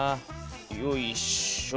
よいしょ。